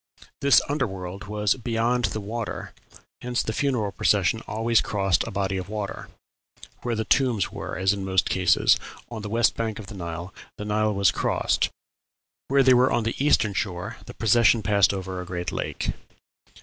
This under world was beyond the water, hence the funeral procession always crossed a body of water. "Where the tombs were, as in most cases, on the west bank of the Nile, the Nile was crossed; where they were on the eastern shore the procession passed over a sacred lake."